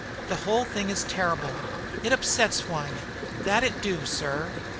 The whole thing is terrible it upsets one, that it do, sir."